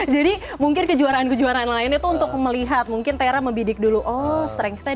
jadi mungkin kejuaraan kejuaraan lain itu untuk melihat mungkin tera membidik dulu oh strengthnya